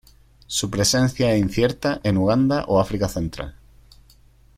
Su presencia es incierta en Uganda o África Central.